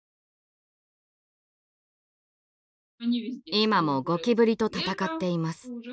今もゴキブリと戦っています。